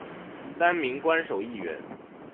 三名官守议员。